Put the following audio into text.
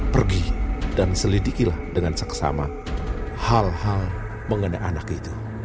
pergi dan selidikilah dengan seksama hal hal mengenai anak itu